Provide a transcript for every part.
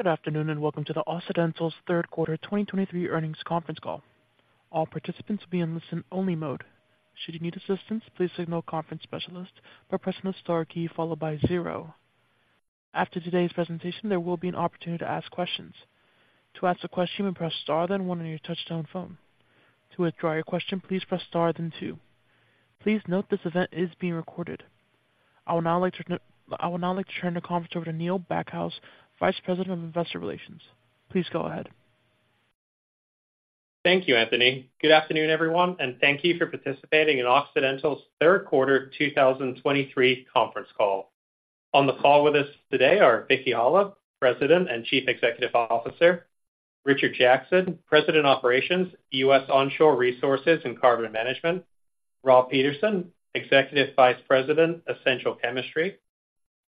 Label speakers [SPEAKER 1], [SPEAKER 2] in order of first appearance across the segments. [SPEAKER 1] Good afternoon, and welcome to Occidental's Q3 2023 Earnings Conference Call. All participants will be in listen-only mode. Should you need assistance, please signal a conference specialist by pressing the star key followed by zero. After today's presentation, there will be an opportunity to ask questions. To ask a question, you may press star, then one on your touchtone phone. To withdraw your question, please press star, then two. Please note, this event is being recorded. I would now like to turn the conference over to Neil Backhouse, Vice President of Investor Relations. Please go ahead.
[SPEAKER 2] Thank you, Anthony. Good afternoon, everyone, and thank you for participating in Occidental's Q3 2023 conference call. On the call with us today are Vicki Hollub, President and Chief Executive Officer, Richard Jackson, President Operations, U.S. Onshore Resources and Carbon Management, Rob Peterson, Executive Vice President, Essential Chemistry,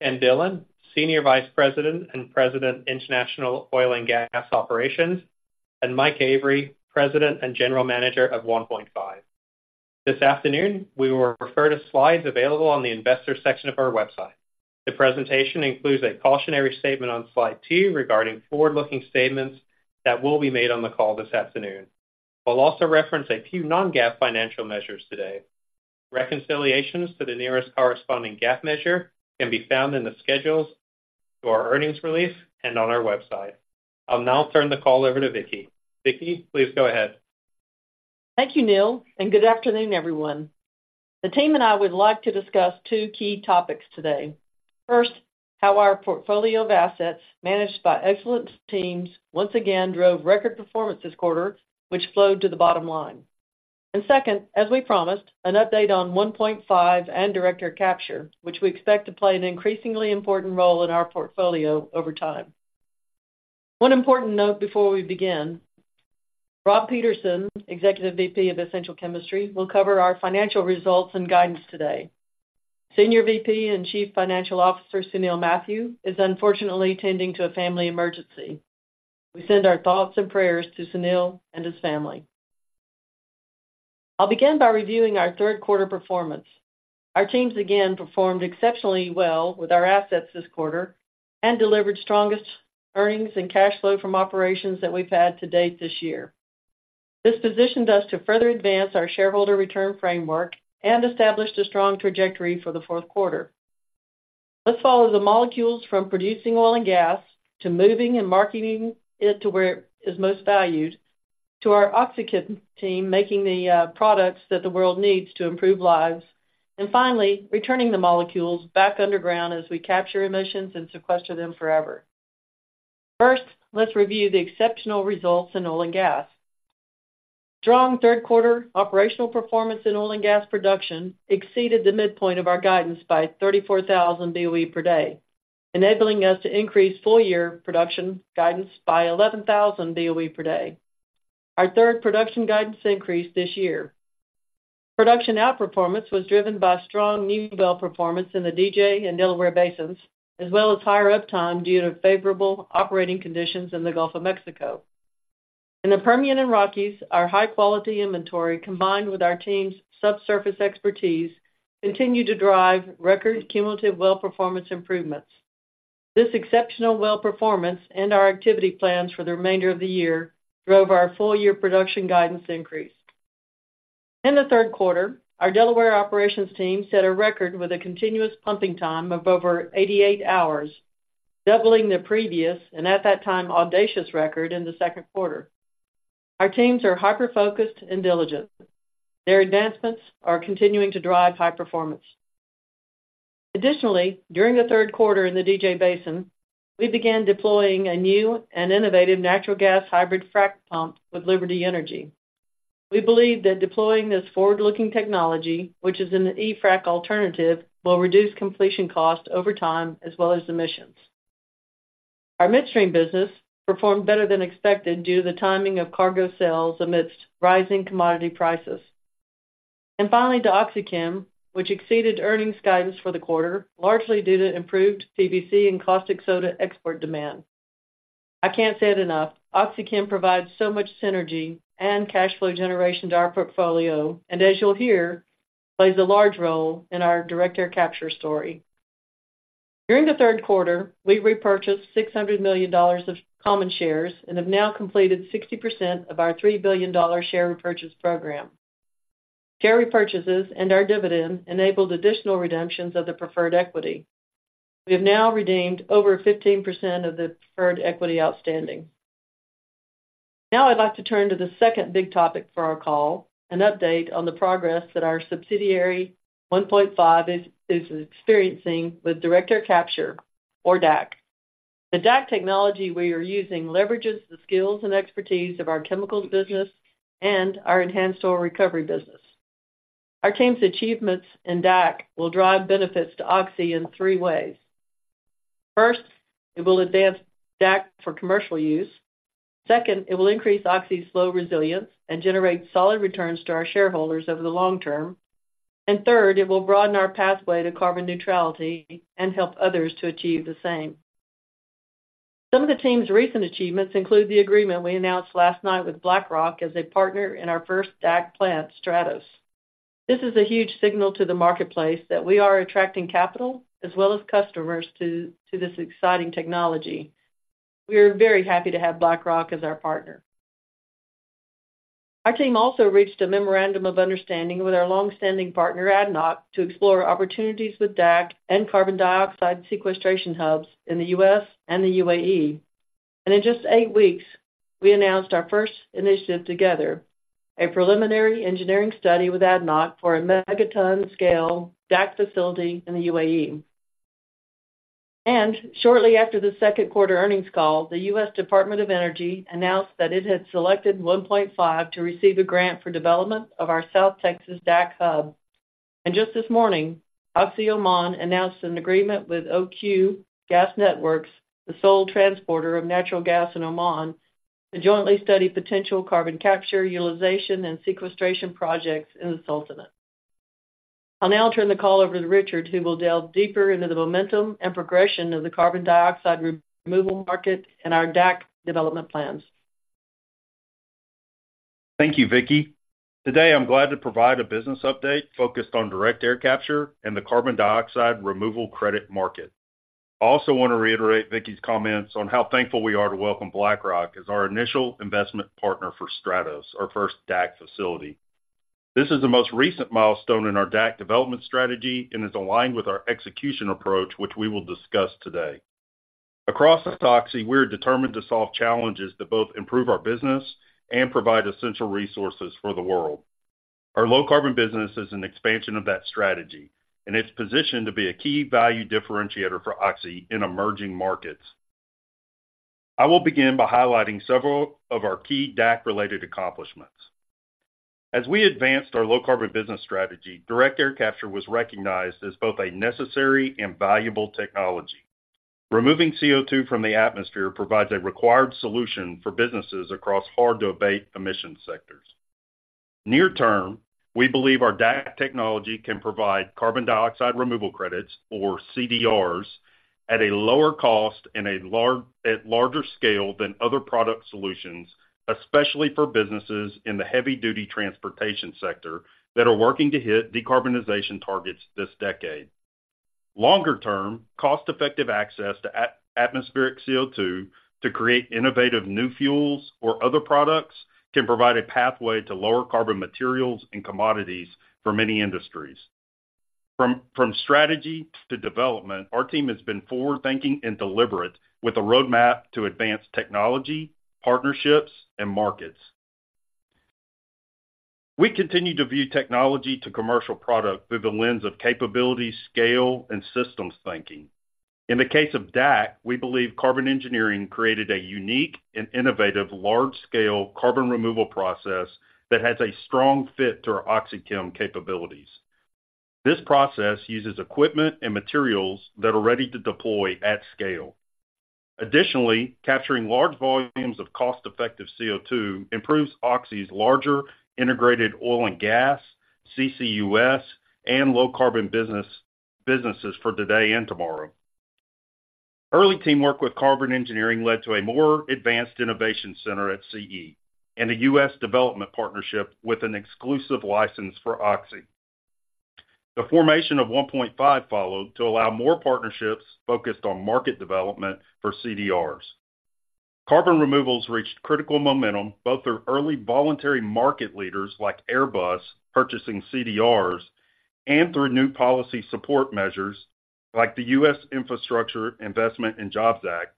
[SPEAKER 2] Ken Dillon, Senior Vice President and President, International Oil and Gas Operations, and Mike Avery, President and General Manager of 1PointFive. This afternoon, we will refer to slides available on the Investors section of our website. The presentation includes a cautionary statement on slide two regarding forward-looking statements that will be made on the call this afternoon. We'll also reference a few non-GAAP financial measures today. Reconciliations to the nearest corresponding GAAP measure can be found in the schedules to our earnings release and on our website. I'll now turn the call over to Vicki. Vicki, please go ahead.
[SPEAKER 3] Thank you, Neil, and good afternoon, everyone. The team and I would like to discuss two key topics today. First, how our portfolio of assets managed by excellent teams once again drove record performance this quarter, which flowed to the bottom line. And second, as we promised, an update on 1PointFive and direct air capture, which we expect to play an increasingly important role in our portfolio over time. One important note before we begin, Rob Peterson, Executive Vice President of Essential Chemistry, will cover our financial results and guidance today. Senior Vice President and Chief Financial Officer, Sunil Mathew, is unfortunately tending to a family emergency. We send our thoughts and prayers to Sunil and his family. I'll begin by reviewing our Q3 performance. Our teams again performed exceptionally well with our assets this quarter and delivered strongest earnings and cash flow from operations that we've had to date this year. This positioned us to further advance our shareholder return framework and established a strong trajectory for the Q4. Let's follow the molecules from producing oil and gas, to moving and marketing it to where it is most valued, to our OxyChem team, making the products that the world needs to improve lives, and finally, returning the molecules back underground as we capture emissions and sequester them forever. First, let's review the exceptional results in oil and gas. Strong Q3 operational performance in oil and gas production exceeded the midpoint of our guidance by 34,000 BOE per day, enabling us to increase full-year production guidance by 11,000 BOE per day, our third production guidance increase this year. Production outperformance was driven by strong new well performance in the DJ and Delaware Basins, as well as higher uptime due to favorable operating conditions in the Gulf of Mexico. In the Permian and Rockies, our high-quality inventory, combined with our team's subsurface expertise, continued to drive record cumulative well performance improvements. This exceptional well performance and our activity plans for the remainder of the year drove our full-year production guidance increase. In the Q3, our Delaware operations team set a record with a continuous pumping time of over 88 hours, doubling the previous, and at that time, audacious record in the Q2. Our teams are hyper-focused and diligent. Their advancements are continuing to drive high performance. Additionally, during the Q3 in the DJ Basin, we began deploying a new and innovative natural gas hybrid frack pump with Liberty Energy. We believe that deploying this forward-looking technology, which is an E-frac alternative, will reduce completion costs over time as well as emissions. Our midstream business performed better than expected due to the timing of cargo sales amidst rising commodity prices. And finally, to OxyChem, which exceeded earnings guidance for the quarter, largely due to improved PVC and caustic soda export demand. I can't say it enough, OxyChem provides so much synergy and cash flow generation to our portfolio, and as you'll hear, plays a large role in our direct air capture story. During the Q3, we repurchased $600 million of common shares and have now completed 60% of our $3 billion share repurchase program. Share repurchases and our dividend enabled additional redemptions of the preferred equity. We have now redeemed over 15% of the preferred equity outstanding. Now I'd like to turn to the second big topic for our call, an update on the progress that our subsidiary, 1PointFive, is experiencing with direct air capture or DAC. The DAC technology we are using leverages the skills and expertise of our chemicals business and our enhanced oil recovery business. Our team's achievements in DAC will drive benefits to Oxy in three ways. First, it will advance DAC for commercial use. Second, it will increase Oxy's flow resilience and generate solid returns to our shareholders over the long term. And third, it will broaden our pathway to carbon neutrality and help others to achieve the same. Some of the team's recent achievements include the agreement we announced last night with BlackRock as a partner in our first DAC plant, Stratos. This is a huge signal to the marketplace that we are attracting capital as well as customers to this exciting technology. We are very happy to have BlackRock as our partner. Our team also reached a memorandum of understanding with our long-standing partner, ADNOC, to explore opportunities with DAC and carbon dioxide sequestration hubs in the U.S. and the UAE. And in just eight weeks, we announced our first initiative together, a preliminary engineering study with ADNOC for a megaton-scale DAC facility in the UAE. And shortly after the Q2 Earnings Call, the U.S. Department of Energy announced that it had selected 1PointFive to receive a grant for development of our South Texas DAC Hub. Just this morning, Oxy Oman announced an agreement with OQ Gas Networks, the sole transporter of natural gas in Oman, to jointly study potential carbon capture, utilization, and sequestration projects in the sultanate. I'll now turn the call over to Richard, who will delve deeper into the momentum and progression of the carbon dioxide removal market and our DAC development plans.
[SPEAKER 4] Thank you, Vicki. Today, I'm glad to provide a business update focused on direct air capture and the carbon dioxide removal credit market. I also want to reiterate Vicki's comments on how thankful we are to welcome BlackRock as our initial investment partner for Stratos, our first DAC facility. This is the most recent milestone in our DAC development strategy and is aligned with our execution approach, which we will discuss today. Across Oxy, we're determined to solve challenges that both improve our business and provide essential resources for the world. Our low-carbon business is an expansion of that strategy, and it's positioned to be a key value differentiator for Oxy in emerging markets. I will begin by highlighting several of our key DAC-related accomplishments. As we advanced our low-carbon business strategy, direct air capture was recognized as both a necessary and valuable technology. Removing CO2 from the atmosphere provides a required solution for businesses across hard-to-abate emission sectors. Near term, we believe our DAC technology can provide carbon dioxide removal credits, or CDRs, at a lower cost and larger scale than other product solutions, especially for businesses in the heavy-duty transportation sector that are working to hit decarbonization targets this decade. Longer term, cost-effective access to atmospheric CO2 to create innovative new fuels or other products, can provide a pathway to lower carbon materials and commodities for many industries. From strategy to development, our team has been forward-thinking and deliberate with a roadmap to advance technology, partnerships, and markets. We continue to view technology to commercial product through the lens of capability, scale, and systems thinking. In the case of DAC, we believe Carbon Engineering created a unique and innovative large-scale carbon removal process that has a strong fit to our OxyChem capabilities. This process uses equipment and materials that are ready to deploy at scale. Additionally, capturing large volumes of cost-effective CO2 improves Oxy's larger integrated oil and gas, CCUS, and low-carbon business, businesses for today and tomorrow. Early teamwork with Carbon Engineering led to a more advanced innovation center at CE, and a U.S. development partnership with an exclusive license for Oxy. The formation of 1PointFive followed to allow more partnerships focused on market development for CDRs. Carbon removals reached critical momentum, both through early voluntary market leaders like Airbus purchasing CDRs and through new policy support measures, like the U.S. Infrastructure Investment and Jobs Act,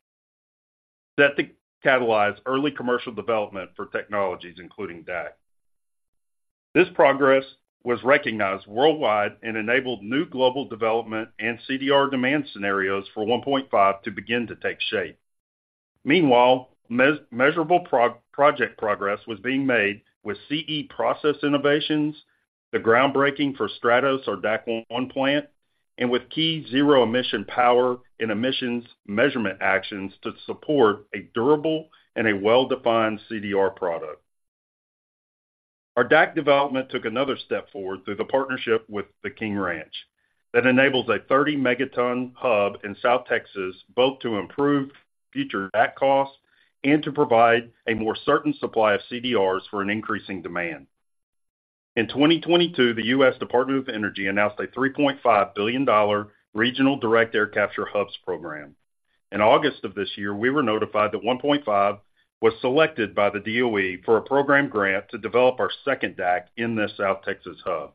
[SPEAKER 4] set to catalyze early commercial development for technologies, including DAC. This progress was recognized worldwide and enabled new global development and CDR demand scenarios for 1PointFive to begin to take shape. Meanwhile, measurable project progress was being made with CE process innovations, the groundbreaking for Stratos, our DAC One plant, and with key zero-emission power and emissions measurement actions to support a durable and a well-defined CDR product. Our DAC development took another step forward through the partnership with the King Ranch. That enables a 30-megaton hub in South Texas, both to improve future DAC costs and to provide a more certain supply of CDRs for an increasing demand. In 2022, the U.S. Department of Energy announced a $3.5 billion Regional Direct Air Capture Hubs Program. In August of this year, we were notified that 1PointFive was selected by the DOE for a program grant to develop our second DAC in the South Texas hub.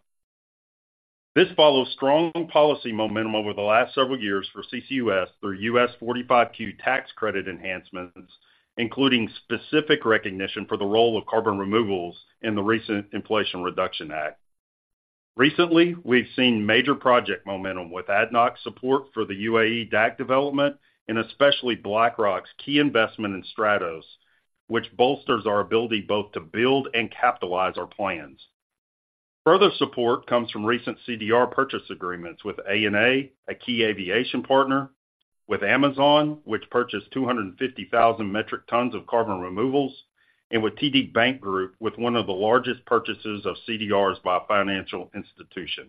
[SPEAKER 4] This follows strong policy momentum over the last several years for CCUS through U.S. 45Q tax credit enhancements, including specific recognition for the role of carbon removals in the recent Inflation Reduction Act. Recently, we've seen major project momentum with ADNOC's support for the UAE DAC development, and especially BlackRock's key investment in Stratos, which bolsters our ability both to build and capitalize our plans. Further support comes from recent CDR purchase agreements with ANA, a key aviation partner, with Amazon, which purchased 250,000 metric tons of carbon removals, and with TD Bank Group, with one of the largest purchases of CDRs by a financial institution....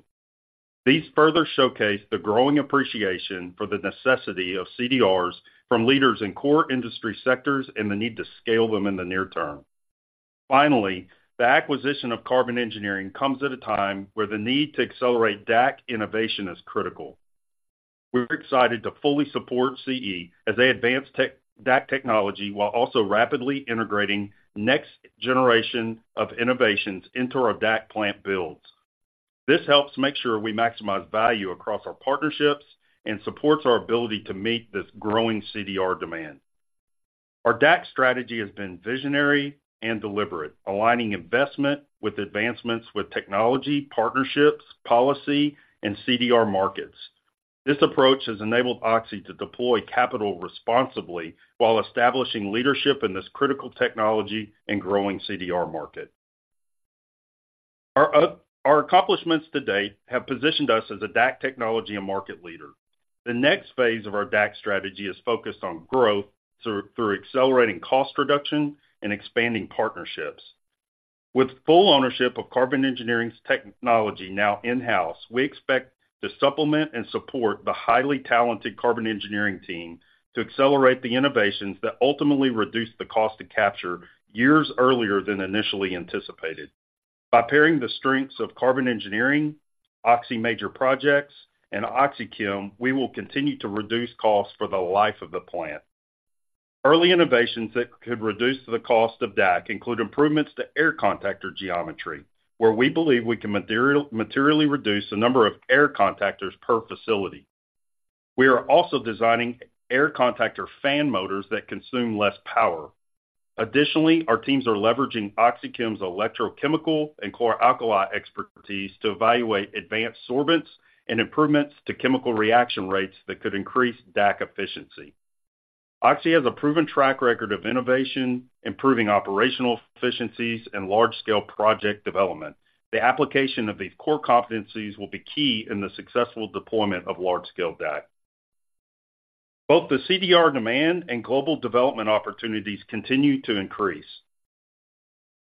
[SPEAKER 4] These further showcase the growing appreciation for the necessity of CDRs from leaders in core industry sectors and the need to scale them in the near term. Finally, the acquisition of Carbon Engineering comes at a time where the need to accelerate DAC innovation is critical. We're excited to fully support CE as they advance DAC technology, while also rapidly integrating next generation of innovations into our DAC plant builds. This helps make sure we maximize value across our partnerships and supports our ability to meet this growing CDR demand. Our DAC strategy has been visionary and deliberate, aligning investment with advancements with technology, partnerships, policy, and CDR markets. This approach has enabled Oxy to deploy capital responsibly while establishing leadership in this critical technology and growing CDR market. Our accomplishments to date have positioned us as a DAC technology and market leader. The next phase of our DAC strategy is focused on growth through accelerating cost reduction and expanding partnerships. With full ownership of Carbon Engineering's technology now in-house, we expect to supplement and support the highly talented Carbon Engineering team to accelerate the innovations that ultimately reduce the cost to capture years earlier than initially anticipated. By pairing the strengths of Carbon Engineering, Oxy Major Projects, and OxyChem, we will continue to reduce costs for the life of the plant. Early innovations that could reduce the cost of DAC include improvements to air contactor geometry, where we believe we can materially reduce the number of air contactors per facility. We are also designing air contactor fan motors that consume less power. Additionally, our teams are leveraging OxyChem's electrochemical and chloralkali expertise to evaluate advanced sorbents and improvements to chemical reaction rates that could increase DAC efficiency. Oxy has a proven track record of innovation, improving operational efficiencies, and large-scale project development. The application of these core competencies will be key in the successful deployment of large-scale DAC. Both the CDR demand and global development opportunities continue to increase.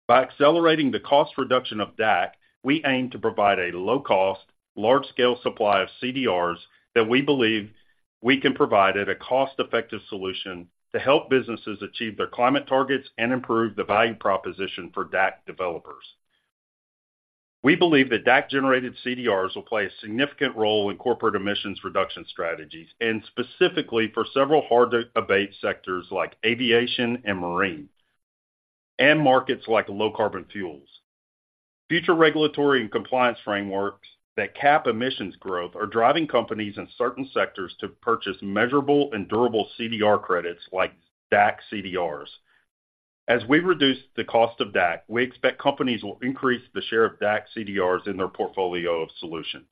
[SPEAKER 4] By accelerating the cost reduction of DAC, we aim to provide a low-cost, large-scale supply of CDRs that we believe we can provide at a cost-effective solution to help businesses achieve their climate targets and improve the value proposition for DAC developers. We believe that DAC-generated CDRs will play a significant role in corporate emissions reduction strategies, and specifically for several hard-to-abate sectors like aviation and marine, and markets like low carbon fuels. Future regulatory and compliance frameworks that cap emissions growth are driving companies in certain sectors to purchase measurable and durable CDR credits like DAC CDRs. As we reduce the cost of DAC, we expect companies will increase the share of DAC CDRs in their portfolio of solutions.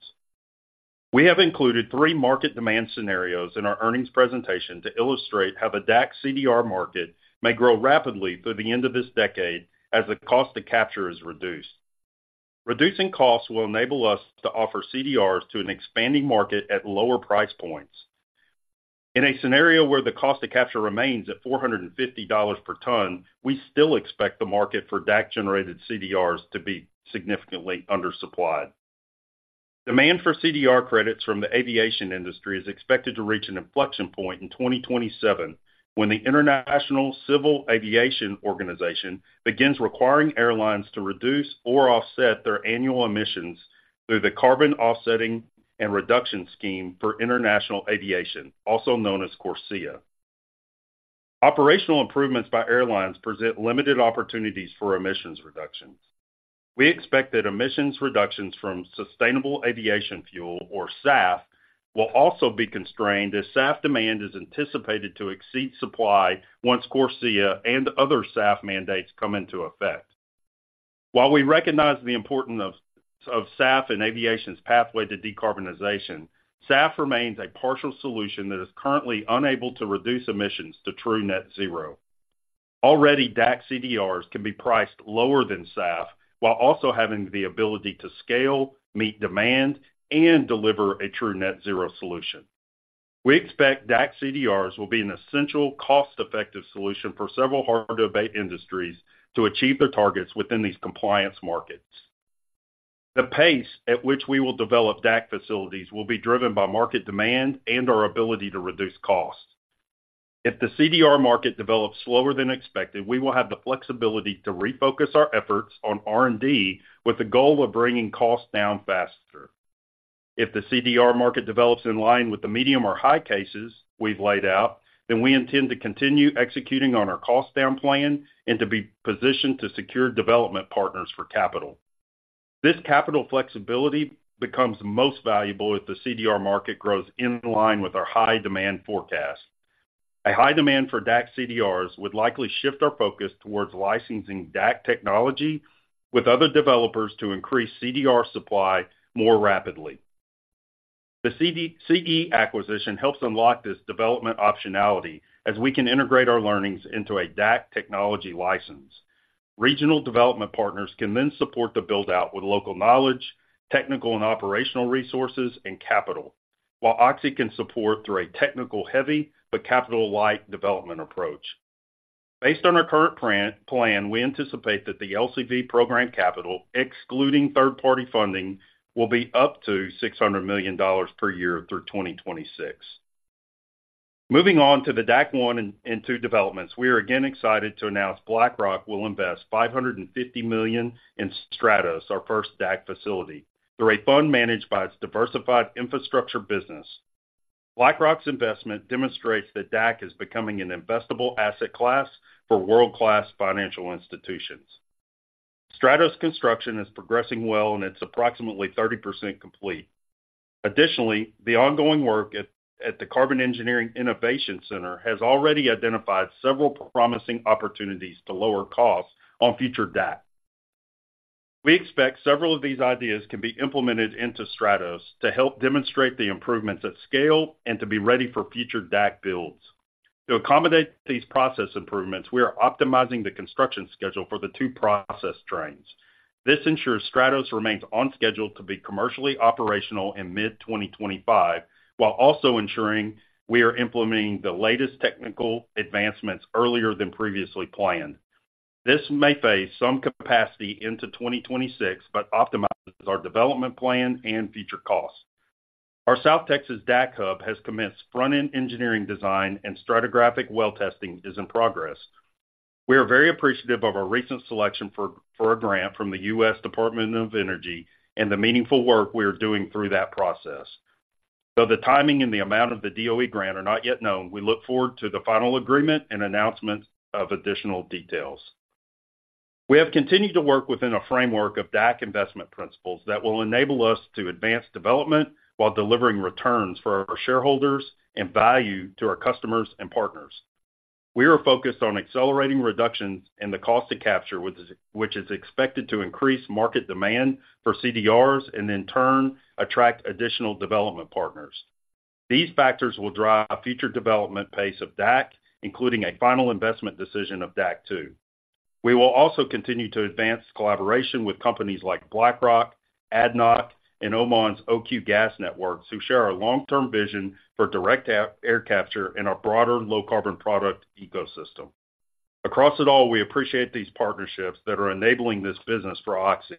[SPEAKER 4] We have included three market demand scenarios in our earnings presentation to illustrate how the DAC CDR market may grow rapidly through the end of this decade as the cost to capture is reduced. Reducing costs will enable us to offer CDRs to an expanding market at lower price points. In a scenario where the cost to capture remains at $450 per ton, we still expect the market for DAC-generated CDRs to be significantly undersupplied. Demand for CDR credits from the aviation industry is expected to reach an inflection point in 2027, when the International Civil Aviation Organization begins requiring airlines to reduce or offset their annual emissions through the Carbon Offsetting and Reduction Scheme for International Aviation, also known as CORSIA. Operational improvements by airlines present limited opportunities for emissions reductions. We expect that emissions reductions from sustainable aviation fuel, or SAF, will also be constrained, as SAF demand is anticipated to exceed supply once CORSIA and other SAF mandates come into effect. While we recognize the importance of SAF and aviation's pathway to decarbonization, SAF remains a partial solution that is currently unable to reduce emissions to true net zero. Already, DAC CDRs can be priced lower than SAF, while also having the ability to scale, meet demand, and deliver a true net zero solution. We expect DAC CDRs will be an essential, cost-effective solution for several hard-to-abate industries to achieve their targets within these compliance markets. The pace at which we will develop DAC facilities will be driven by market demand and our ability to reduce costs. If the CDR market develops slower than expected, we will have the flexibility to refocus our efforts on R&D, with the goal of bringing costs down faster. If the CDR market develops in line with the medium or high cases we've laid out, then we intend to continue executing on our cost down plan and to be positioned to secure development partners for capital. This capital flexibility becomes most valuable if the CDR market grows in line with our high demand forecast. A high demand for DAC CDRs would likely shift our focus towards licensing DAC technology with other developers to increase CDR supply more rapidly. The Carbon Engineering acquisition helps unlock this development optionality as we can integrate our learnings into a DAC technology license. Regional development partners can then support the build-out with local knowledge, technical and operational resources, and capital, while Oxy can support through a technical-heavy, but capital-light development approach. Based on our current plan, we anticipate that the LCV program capital, excluding third-party funding, will be up to $600 million per year through 2026. Moving on to the DAC One and Two developments. We are again excited to announce BlackRock will invest $550 million in Stratos, our first DAC facility, through a fund managed by its diversified infrastructure business. BlackRock's investment demonstrates that DAC is becoming an investable asset class for world-class financial institutions. Stratos construction is progressing well, and it's approximately 30% complete. Additionally, the ongoing work at the Carbon Engineering Innovation Center has already identified several promising opportunities to lower costs on future DAC. We expect several of these ideas can be implemented into Stratos to help demonstrate the improvements at scale and to be ready for future DAC builds. To accommodate these process improvements, we are optimizing the construction schedule for the two process trains. This ensures Stratos remains on schedule to be commercially operational in mid-2025, while also ensuring we are implementing the latest technical advancements earlier than previously planned. This may phase some capacity into 2026, but optimizes our development plan and future costs. Our South Texas DAC hub has commenced front-end engineering design, and stratigraphic well testing is in progress. We are very appreciative of our recent selection for a grant from the U.S. Department of Energy and the meaningful work we are doing through that process. Though the timing and the amount of the DOE grant are not yet known, we look forward to the final agreement and announcement of additional details. We have continued to work within a framework of DAC investment principles that will enable us to advance development while delivering returns for our shareholders and value to our customers and partners. We are focused on accelerating reductions in the cost to capture, which is expected to increase market demand for CDRs and in turn, attract additional development partners. These factors will drive future development pace of DAC, including a final investment decision of DAC Two. We will also continue to advance collaboration with companies like BlackRock, ADNOC, and Oman's OQ Gas Networks, who share our long-term vision for direct air capture in our broader low-carbon product ecosystem. Across it all, we appreciate these partnerships that are enabling this business for Oxy,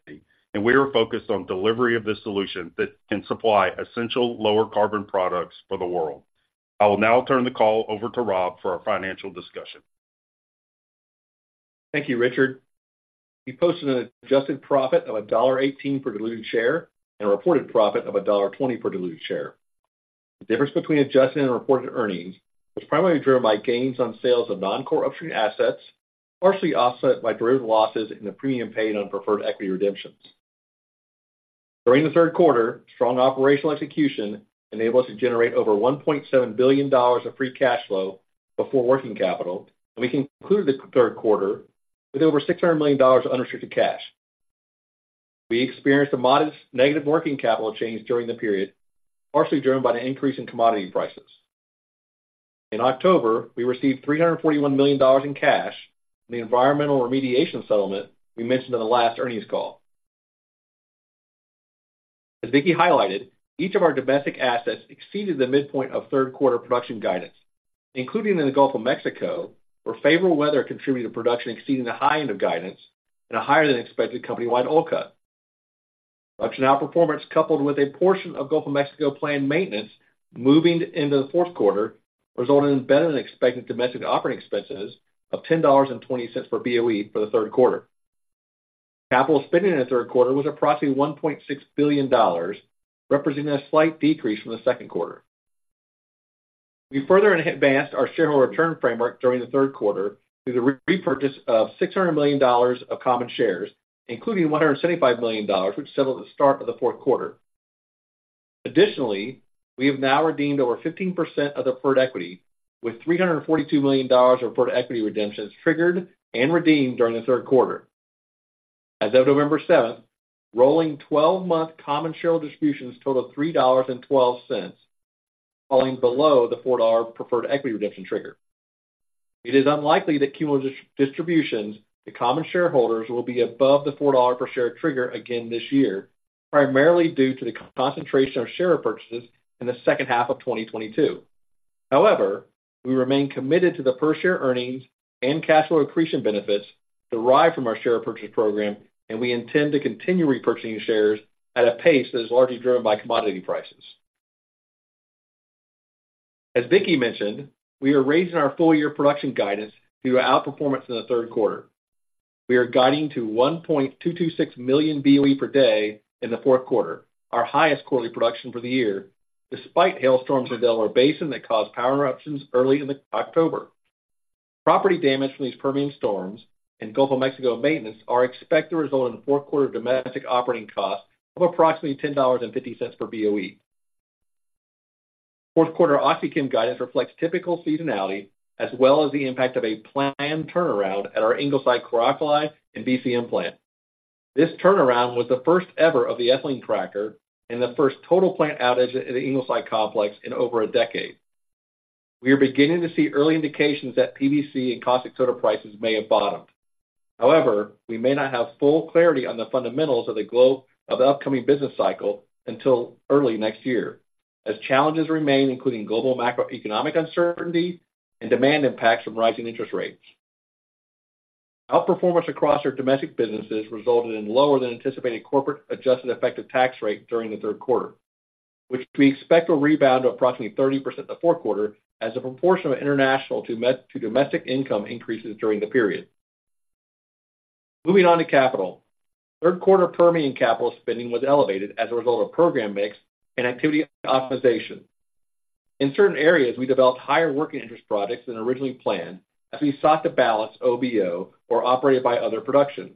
[SPEAKER 4] and we are focused on delivery of this solution that can supply essential lower carbon products for the world. I will now turn the call over to Rob for our financial discussion.
[SPEAKER 5] Thank you, Richard. We posted an adjusted profit of $1.18 per diluted share and a reported profit of 1.20 per diluted share. The difference between adjusted and reported earnings was primarily driven by gains on sales of non-core upstream assets, partially offset by derivative losses and the premium paid on preferred equity redemptions. During the Q3, strong operational execution enabled us to generate over $1.7 billion of free cash flow before working capital, and we concluded the Q3 with over $600 million of unrestricted cash. We experienced a modest negative working capital change during the period, partially driven by an increase in commodity prices. In October, we received $341 million in cash from the environmental remediation settlement we mentioned in the last earnings call. As Vicki highlighted, each of our domestic assets exceeded the midpoint of Q3 production guidance, including in the Gulf of Mexico, where favorable weather contributed to production exceeding the high end of guidance and a higher than expected company-wide oil cut. Production outperformance, coupled with a portion of Gulf of Mexico planned maintenance moving into the Q4, resulted in better-than-expected domestic operating expenses of $10.20 per BOE for the Q3. Capital spending in the Q3 was approximately $1.6 billion, representing a slight decrease from the Q2. We further advanced our shareholder return framework during the Q3 through the repurchase of $600 million of common shares, including 175 million, which settled at the start of the Q4. Additionally, we have now redeemed over 15% of the preferred equity, with $342 million of preferred equity redemptions triggered and redeemed during the Q3. As of November seventh, rolling 12-month common share distributions total $3.12, falling below the 4 preferred equity redemption trigger. It is unlikely that cumulative distributions to common shareholders will be above the $4 per share trigger again this year, primarily due to the concentration of share repurchases in the second half of 2022. However, we remain committed to the per share earnings and cash flow accretion benefits derived from our share repurchase program, and we intend to continue repurchasing shares at a pace that is largely driven by commodity prices. As Vicki mentioned, we are raising our full-year production guidance through our outperformance in Q3. We are guiding to 1.226 million BOE per day in the Q4, our highest quarterly production for the year, despite hail storms in the Delaware Basin that caused power disruptions early in October. Property damage from these Permian storms and Gulf of Mexico maintenance are expected to result in Q4 domestic operating costs of approximately $10.50 per BOE. Q4 OxyChem guidance reflects typical seasonality as well as the impact of a planned turnaround at our Ingleside Chlor-Alkali and VCM plant. This turnaround was the first ever of the ethylene cracker and the first total plant outage at the Ingleside complex in over a decade. We are beginning to see early indications that PVC and caustic soda prices may have bottomed. However, we may not have full clarity on the fundamentals of the global upcoming business cycle until early next year, as challenges remain, including global macroeconomic uncertainty and demand impacts from rising interest rates. Outperformance across our domestic businesses resulted in lower than anticipated corporate adjusted effective tax rate during the Q3, which we expect will rebound to approximately 30% in the Q4 as a proportion of international to domestic income increases during the period. Moving on to capital. Q3 Permian capital spending was elevated as a result of program mix and activity optimization. In certain areas, we developed higher working interest projects than originally planned as we sought to balance OBO or operated by others production.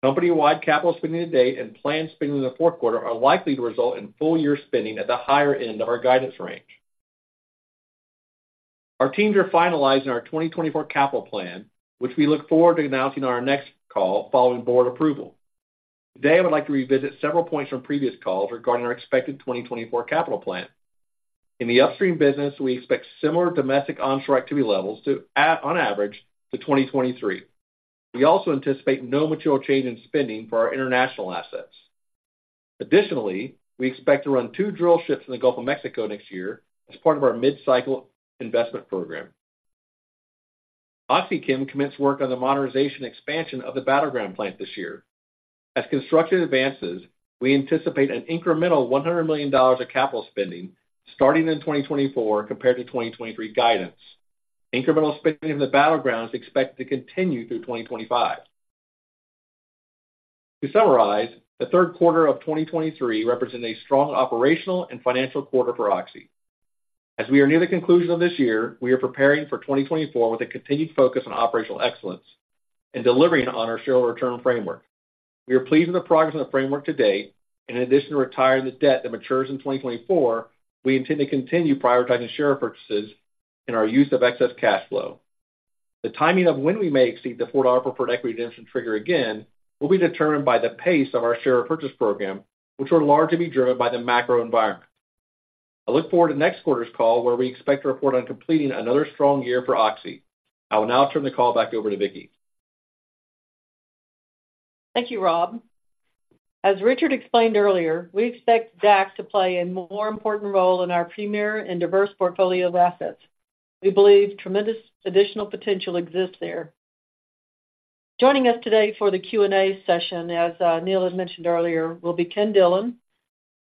[SPEAKER 5] Company-wide capital spending to date and planned spending in the Q4 are likely to result in full year spending at the higher end of our guidance range. Our teams are finalizing our 2024 capital plan, which we look forward to announcing on our next call following board approval. Today, I would like to revisit several points from previous calls regarding our expected 2024 capital plan. In the upstream business, we expect similar domestic onshore activity levels to, on average to 2023. We also anticipate no material change in spending for our international assets. Additionally, we expect to run two drill ships in the Gulf of Mexico next year as part of our mid-cycle investment program. OxyChem commenced work on the modernization expansion of the Battleground plant this year. As construction advances, we anticipate an incremental $100 million of capital spending starting in 2024 compared to 2023 guidance. Incremental spending in the Battleground is expected to continue through 2025. To summarize, the Q3 of 2023 represented a strong operational and financial quarter for Oxy. As we are near the conclusion of this year, we are preparing for 2024 with a continued focus on operational excellence and delivering on our shareholder return framework. We are pleased with the progress on the framework to date, and in addition to retiring the debt that matures in 2024, we intend to continue prioritizing share purchases and our use of excess cash flow. The timing of when we may exceed the $4 per preferred equity dividend trigger again, will be determined by the pace of our share purchase program, which will largely be driven by the macro environment. I look forward to next quarter's call, where we expect to report on completing another strong year for Oxy. I will now turn the call back over to Vicki.
[SPEAKER 3] Thank you, Rob. As Richard explained earlier, we expect DAC to play a more important role in our premier and diverse portfolio of assets. We believe tremendous additional potential exists there. Joining us today for the Q&A session, as Neil had mentioned earlier, will be Ken Dillon,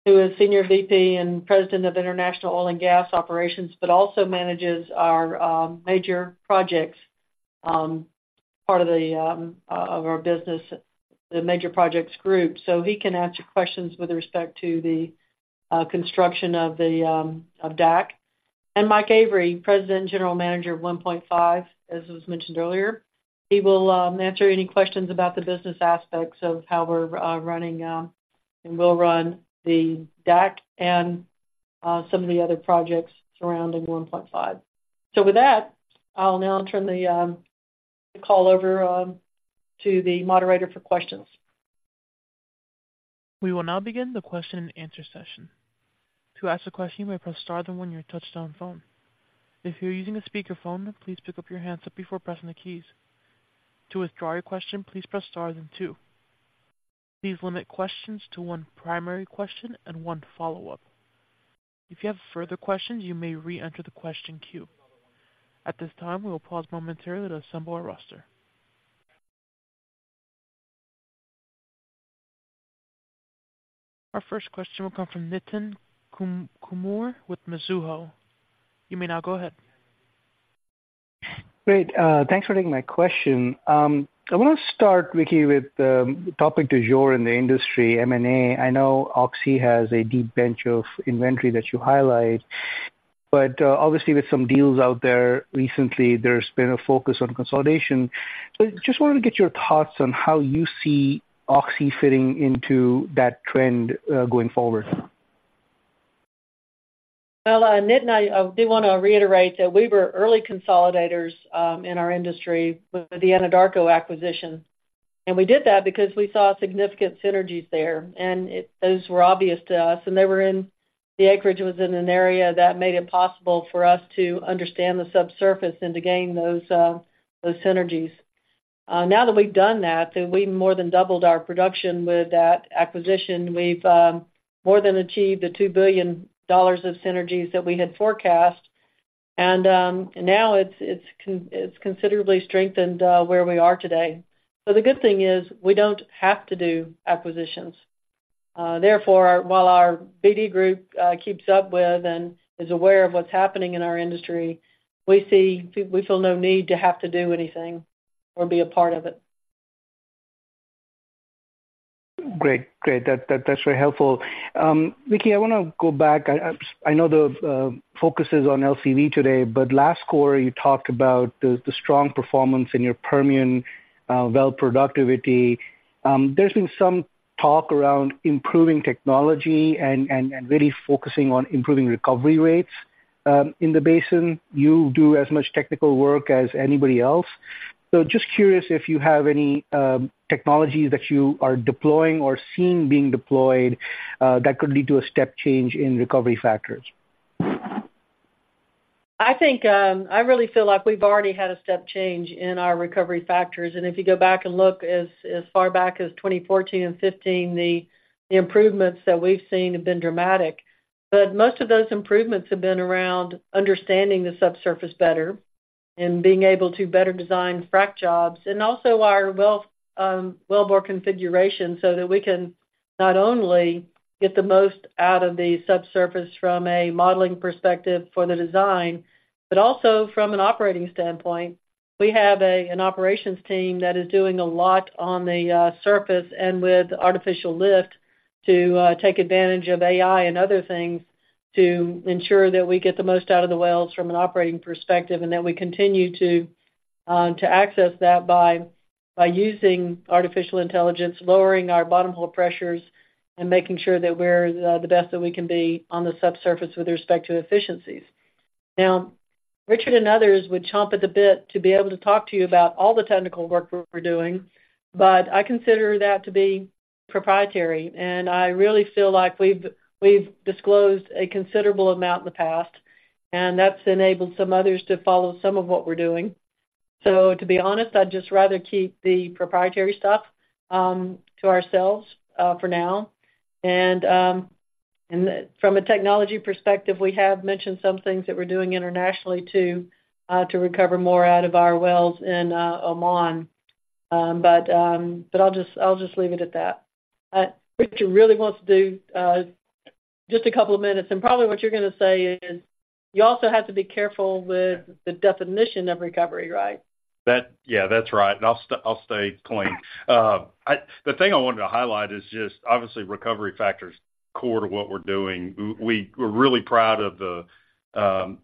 [SPEAKER 3] who is Senior VP and President of International Oil and Gas Operations, but also manages our major projects part of our business, the major projects group. So he can answer questions with respect to the construction of DAC. And Mike Avery, President and General Manager of 1PointFive, as was mentioned earlier, he will answer any questions about the business aspects of how we're running and will run the DAC and some of the other projects surrounding 1PointFive. So with that, I'll now turn the call over to the moderator for questions.
[SPEAKER 1] We will now begin the question and answer session. To ask a question, you may press star then one on your touchtone phone. If you're using a speakerphone, please pick up your handset before pressing the keys. To withdraw your question, please press star then two. Please limit questions to one primary question and one follow-up. If you have further questions, you may reenter the question queue. At this time, we will pause momentarily to assemble our roster. Our first question will come from Nitin Kumar with Mizuho. You may now go ahead.
[SPEAKER 6] Great. Thanks for taking my question. I want to start, Vicki, with the topic du jour in the industry, M&A. I know Oxy has a deep bench of inventory that you highlight, but obviously with some deals out there recently, there's been a focus on consolidation. So just wanted to get your thoughts on how you see Oxy fitting into that trend, going forward?
[SPEAKER 3] Well, Nitin, I do want to reiterate that we were early consolidators in our industry with the Anadarko acquisition, and we did that because we saw significant synergies there, and those were obvious to us, and they were in the acreage was in an area that made it possible for us to understand the subsurface and to gain those synergies. Now that we've done that, we've more than doubled our production with that acquisition. We've more than achieved the $2 billion of synergies that we had forecast, and now it's considerably strengthened where we are today. So the good thing is, we don't have to do acquisitions. Therefore, while our BD group keeps up with and is aware of what's happening in our industry, we feel no need to have to do anything or be a part of it.
[SPEAKER 6] Great. Great. That, that's very helpful. Vicki, I wanna go back. I know the focus is on LCV today, but last quarter, you talked about the strong performance in your Permian well productivity. There's been some talk around improving technology and really focusing on improving recovery rates in the basin. You do as much technical work as anybody else, so just curious if you have any technologies that you are deploying or seeing being deployed that could lead to a step change in recovery factors?...
[SPEAKER 3] I think, I really feel like we've already had a step change in our recovery factors. And if you go back and look as, as far back as 2014 and 2015, the improvements that we've seen have been dramatic. But most of those improvements have been around understanding the subsurface better and being able to better design frack jobs, and also our well, wellbore configuration, so that we can not only get the most out of the subsurface from a modeling perspective for the design, but also from an operating standpoint. We have an operations team that is doing a lot on the surface and with artificial lift to take advantage of AI and other things to ensure that we get the most out of the wells from an operating perspective, and that we continue to access that by using artificial intelligence, lowering our bottom hole pressures, and making sure that we're the best that we can be on the subsurface with respect to efficiencies. Now, Richard and others would chomp at the bit to be able to talk to you about all the technical work we're doing, but I consider that to be proprietary, and I really feel like we've disclosed a considerable amount in the past, and that's enabled some others to follow some of what we're doing. So to be honest, I'd just rather keep the proprietary stuff to ourselves for now. And, and from a technology perspective, we have mentioned some things that we're doing internationally to, to recover more out of our wells in Oman. But, but I'll just, I'll just leave it at that. Richard really wants to do just a couple of minutes, and probably what you're gonna say is, you also have to be careful with the definition of recovery, right?
[SPEAKER 4] Yeah, that's right. And I'll stay, I'll stay clean. The thing I wanted to highlight is just obviously, recovery factor is core to what we're doing. We're really proud of the,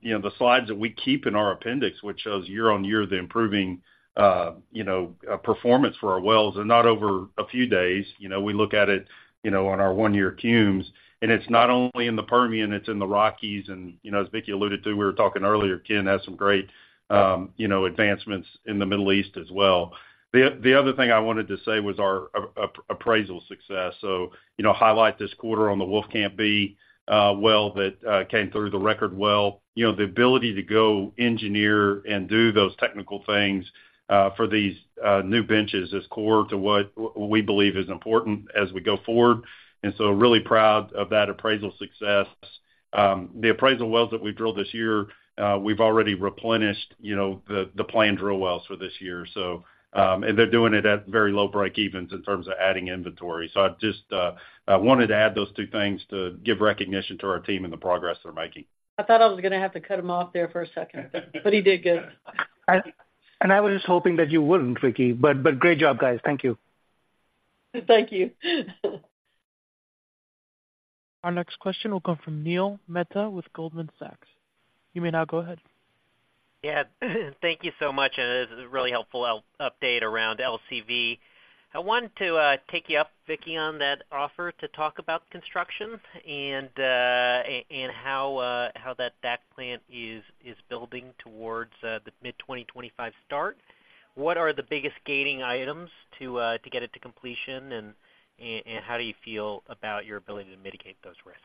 [SPEAKER 4] you know, the slides that we keep in our appendix, which shows year-on-year the improving, you know, performance for our wells, and not over a few days. You know, we look at it, you know, on our one-year cums, and it's not only in the Permian, it's in the Rockies. And, you know, as Vicki alluded to, we were talking earlier, Ken has some great, you know, advancements in the Middle East as well. The other thing I wanted to say was our appraisal success. So, you know, highlight this quarter on the Wolfcamp B well that came through the record well. You know, the ability to go engineer and do those technical things for these new benches is core to what we believe is important as we go forward, and so we're really proud of that appraisal success. The appraisal wells that we drilled this year we've already replenished, you know, the planned drill wells for this year. So, and they're doing it at very low breakevens in terms of adding inventory. So I just I wanted to add those two things to give recognition to our team and the progress they're making.
[SPEAKER 3] I thought I was gonna have to cut him off there for a second, but he did good.
[SPEAKER 6] I was just hoping that you wouldn't, Vicki, but, but great job, guys. Thank you.
[SPEAKER 3] Thank you.
[SPEAKER 1] Our next question will come from Neil Mehta with Goldman Sachs. You may now go ahead.
[SPEAKER 7] Yeah, thank you so much, and this is a really helpful update around LCV. I wanted to take you up, Vicki, on that offer to talk about construction and and how that DAC plant is building towards the mid-2025 start. What are the biggest gating items to get it to completion, and and how do you feel about your ability to mitigate those risks?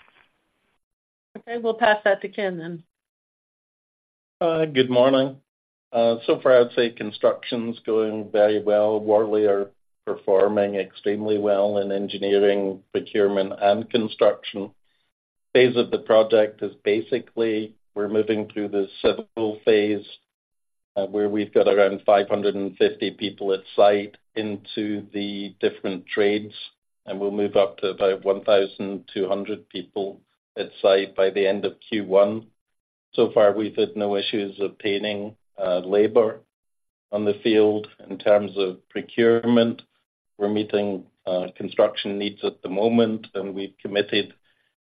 [SPEAKER 3] Okay, we'll pass that to Ken then.
[SPEAKER 8] Good morning. So far, I'd say construction's going very well. Worley are performing extremely well in engineering, procurement, and construction. Phase of the project is basically, we're moving through the civil phase, where we've got around 550 people at site into the different trades, and we'll move up to about 1,200 people at site by the end of Q1. So far, we've had no issues obtaining labor on the field. In terms of procurement, we're meeting construction needs at the moment, and we've committed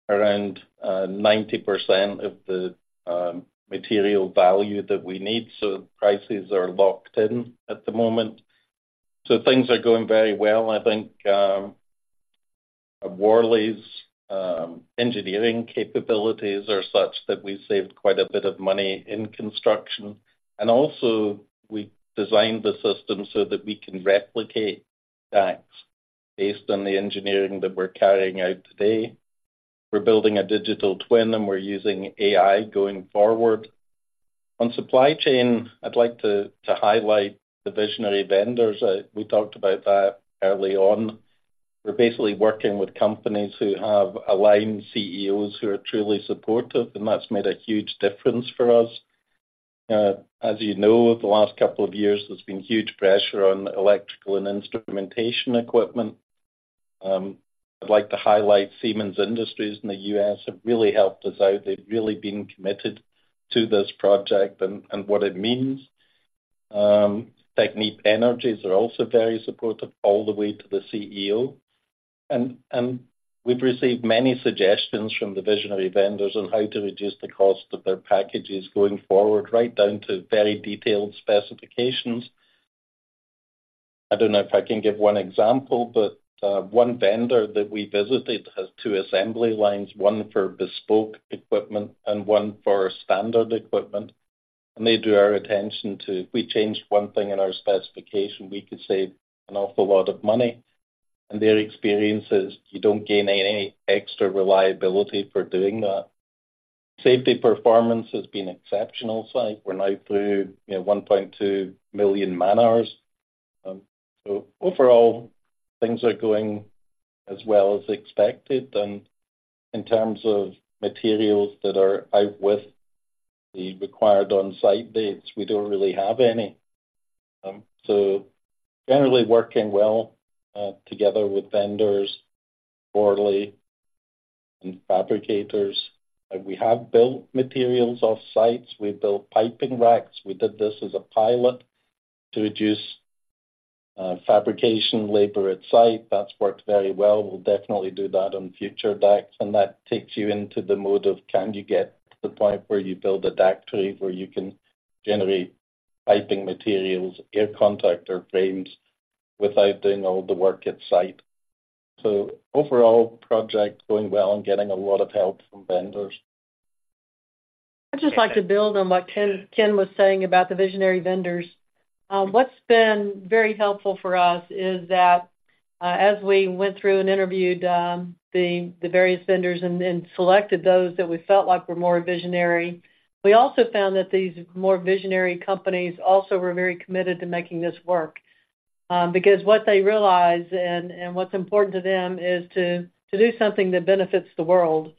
[SPEAKER 8] around 90% of the material value that we need, so prices are locked in at the moment. So things are going very well. I think, Worley's engineering capabilities are such that we saved quite a bit of money in construction. Also, we designed the system so that we can replicate that based on the engineering that we're carrying out today. We're building a digital twin, and we're using AI going forward. On supply chain, I'd like to highlight the visionary vendors. We talked about that early on. We're basically working with companies who have aligned CEOs who are truly supportive, and that's made a huge difference for us. As you know, the last couple of years, there's been huge pressure on electrical and instrumentation equipment. I'd like to highlight Siemens Industries in the U.S. have really helped us out. They've really been committed to this project and what it means. Technip Energies are also very supportive all the way to the CEO. We've received many suggestions from the visionary vendors on how to reduce the cost of their packages going forward, right down to very detailed specifications. I don't know if I can give one example, but one vendor that we visited has two assembly lines, one for bespoke equipment and one for standard equipment. And they drew our attention to, if we changed one thing in our specification, we could save an awful lot of money... and their experience is you don't gain any extra reliability for doing that. Safety performance has been exceptional, so we're now through, you know, 1.2 million man-hours. So overall, things are going as well as expected. And in terms of materials that are out with the required on-site dates, we don't really have any. So generally working well together with vendors, quarterly, and fabricators. We have built materials off sites. We've built piping racks. We did this as a pilot to reduce fabrication labor at site. That's worked very well. We'll definitely do that on future decks. That takes you into the mode of, can you get to the point where you build a deck tree, where you can generate piping materials, air contact or frames, without doing all the work at site? Overall, project going well and getting a lot of help from vendors.
[SPEAKER 3] I'd just like to build on what Ken was saying about the visionary vendors. What's been very helpful for us is that, as we went through and interviewed the various vendors and selected those that we felt like were more visionary, we also found that these more visionary companies also were very committed to making this work. Because what they realize and what's important to them is to do something that benefits the world.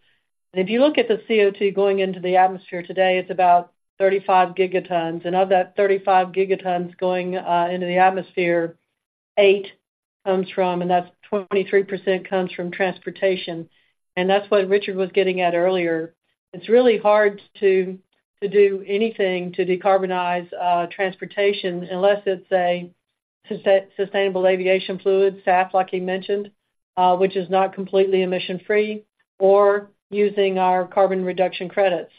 [SPEAKER 3] And if you look at the CO2 going into the atmosphere today, it's about 35 gigatons. And of that 35 gigatons going into the atmosphere, 8 gigatons comes from, and that's 23%, comes from transportation. And that's what Richard was getting at earlier. It's really hard to do anything to decarbonize transportation unless it's a sustainable aviation fuel, SAF, like he mentioned, which is not completely emission-free, or using our carbon reduction credits.